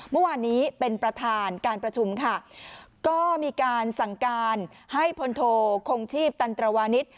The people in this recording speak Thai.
เมื่อวานนี้เป็นประธานการประชุมค่ะก็มีการสั่งการให้พลโทคงชีพตันตรวานิส